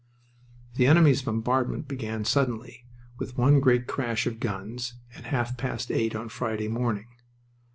The enemy's bombardment began suddenly, with one great crash of guns, at half past eight on Friday morning.